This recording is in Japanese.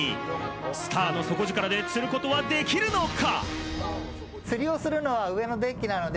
スターの底力で釣ることはできるのか？